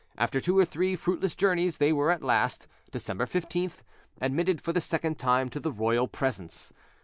After two or three fruitless journeys, they were at last, December 15th, admitted for the second time to the royal presence.